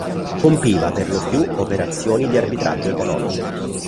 Compiva, perlopiù, operazioni di arbitraggio economico.